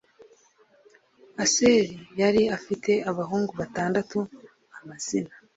Aseli yari afite abahungu batandatu amazina